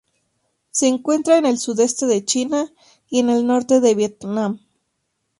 Se encuentra en el sudeste de China y en el norte de Vietnam.